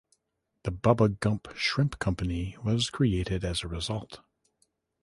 The Bubba Gump Shrimp Company was created as a result.